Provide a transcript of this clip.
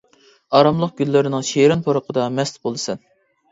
ئاراملىق گۈللىرىنىڭ شېرىن پۇرىقىدا مەست بولىسەن!